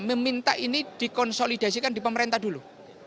meminta ini dikonsolidasikan di pemerintah dulu